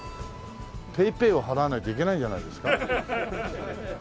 ＰａｙＰａｙを払わないといけないんじゃないですか？